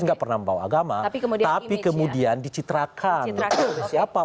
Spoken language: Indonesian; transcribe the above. nggak pernah membawa agama tapi kemudian dicitrakan oleh siapa